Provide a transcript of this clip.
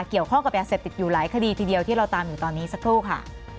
เกี่ยวข้องกับยาเสพติดอยู่หลายคดีทีเดียวที่เราตามอยู่ตอนนี้สักครู่ค่ะ